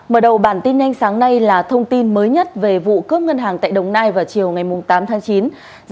mở đầu bản tin nhanh sáng nay là thông tin mới nhất về vụ cướp ngân hàng tại đồng nai vào chiều ngày tám tháng chín